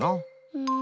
うん。